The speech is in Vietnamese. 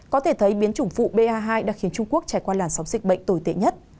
có thể thấy biến chủng phụ ba hai đã khiến trung quốc trải qua làn sóng dịch bệnh tồi tệ nhất